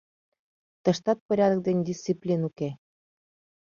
— Тыштат порядок ден дисциплин уке.